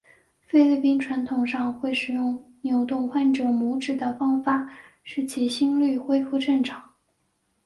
菲律宾传统上会使用扭动患者拇趾的方法使其心律恢复正常。